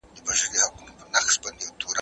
زه اوږده وخت د ښوونځی لپاره تياری کوم!!